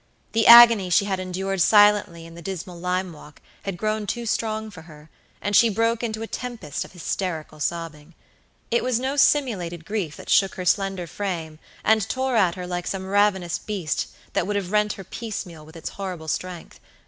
The agony she had endured silently in the dismal lime walk had grown too strong for her, and she broke into a tempest of hysterical sobbing. It was no simulated grief that shook her slender frame and tore at her like some ravenous beast that would have rent her piecemeal with its horrible strength.